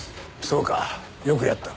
そうかよくやった。